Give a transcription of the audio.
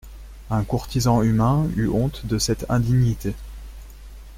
Un courtisan humain eut honte de cette indignité.